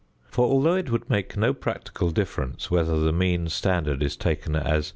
For, although it would make no practical difference whether the mean standard is taken as 0.